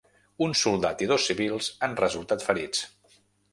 Un soldat i dos civils han resultat ferits.